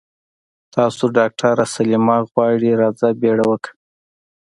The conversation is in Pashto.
تاسو ډاکټره سليمه غواړي راځه بيړه وکړه.